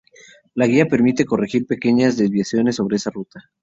La guía permite corregir pequeñas desviaciones sobre esa ruta.